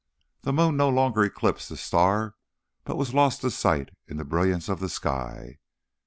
The moon no longer eclipsed the star but was lost to sight in the brilliance of the sky.